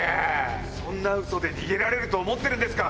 そんなウソで逃げられると思ってるんですか